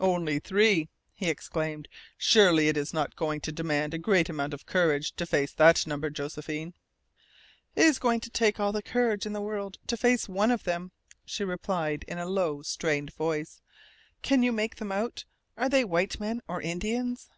"Only three!" he exclaimed. "Surely it is not going to demand a great amount of courage to face that number, Josephine?" "It is going to take all the courage in the world to face one of them," she replied in a low, strained voice. "Can you make them out? Are they white men or Indians?"